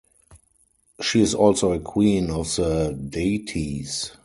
She is also a Queen of the deities.